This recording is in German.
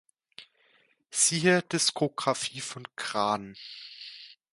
Siehe "Diskografie von Kraan.